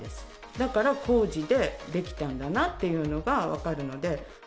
だから、工事で出来たんだなっていうのが分かるので。